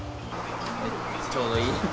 ちょうどいい。